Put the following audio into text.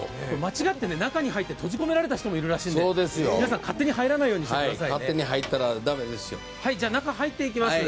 間違って中に入って閉じ込められた方もいるので、皆さん、勝手に入らないでくださいね。